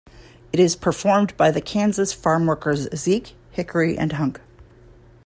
It is performed by the Kansas farm workers Zeke, Hickory, and Hunk.